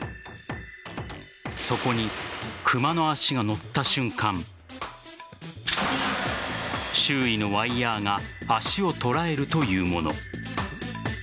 そこに熊の足が乗った瞬間周囲のワイヤーが足を捉えるというもの。